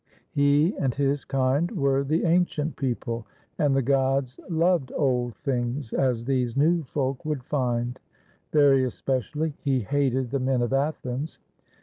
He and his kind were the ancient people, and the gods loved old things, as these new folk would find. Very especially he hated the men of Athens.